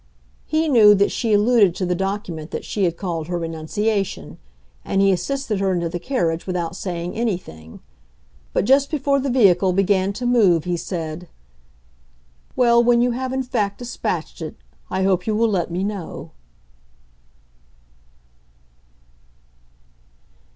He knew that she alluded to the document that she had called her renunciation; and he assisted her into the carriage without saying anything. But just before the vehicle began to move he said, "Well, when you have in fact dispatched it, I hope you will let me know!"